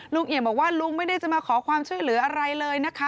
เอี่ยมบอกว่าลุงไม่ได้จะมาขอความช่วยเหลืออะไรเลยนะคะ